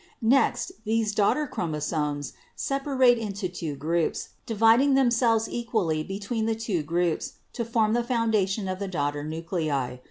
Next, these daughter chromosomes sep arate into two groups, dividing themselves equally between the two groups to form the foundation of the daughter nuclei.